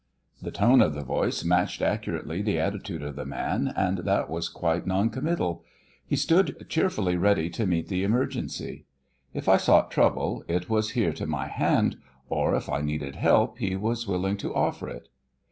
The tone of the voice matched accurately the attitude of the man, and that was quite non committal. He stood cheerfully ready to meet the emergency. If I sought trouble, it was here to my hand; or if I needed help he was willing to offer it.